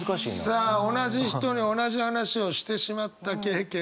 さあ同じ人に同じ話をしてしまった経験